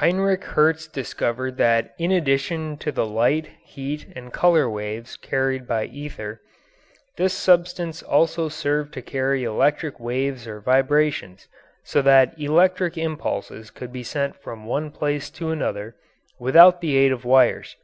Heinrich Hertz discovered that in addition to the light, heat, and colour waves carried by ether, this substance also served to carry electric waves or vibrations, so that electric impulses could be sent from one place to another without the aid of wires.